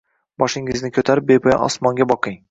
Boshingizni ko‘tarib, bepoyon osmonga boqing.